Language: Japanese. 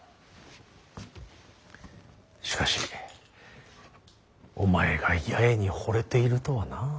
しかしお前が八重にほれているとはな。